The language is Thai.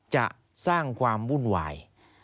จะสร้างความวุ่นวาย